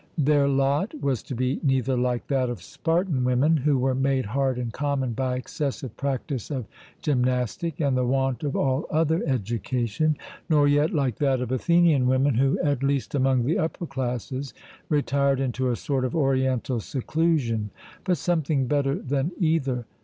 Their lot was to be neither like that of Spartan women, who were made hard and common by excessive practice of gymnastic and the want of all other education, nor yet like that of Athenian women, who, at least among the upper classes, retired into a sort of oriental seclusion, but something better than either.